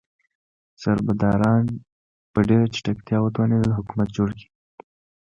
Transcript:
سربداران په ډیره چټکتیا وتوانیدل حکومت جوړ کړي.